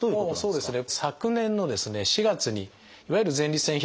そうですね。